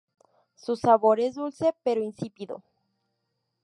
Su sabor es dulce, pero insípido.